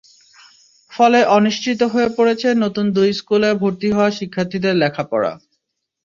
ফলে অনিশ্চিত হয়ে পড়েছে নতুন দুই স্কুলে ভর্তি হওয়া শিক্ষার্থীদের লেখাপড়া।